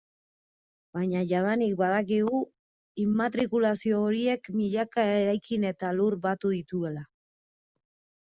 Baina jadanik badakigu immatrikulazio horiek milaka eraikin eta lur batu dituela.